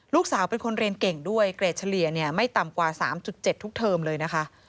ลูกสาวเป็นคนเรียนเก่งด้วยเกรดเฉลี่ยไม่ต่ำกว่า๓๗ทุกเทอมเลยนะคะ